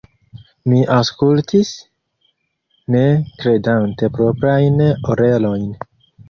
Mi aŭskultis, ne kredante proprajn orelojn.